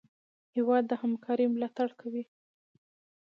هېواد د همکارۍ ملاتړ کوي.